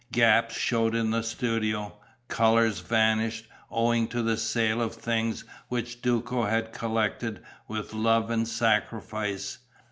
Gaps showed in the studio, colours vanished, owing to the sale of things which Duco had collected with love and sacrifice.